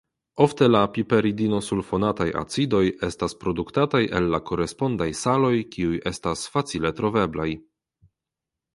Ofte la piperidinosulfonataj acidoj estas produktataj el la korespondaj saloj kiuj estas facile troveblaj.